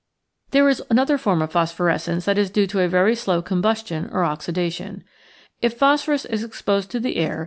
There is another form of phosphorescence that is due to a very slow combustion or oxida tion. If phosphorus is exposed to the air the , i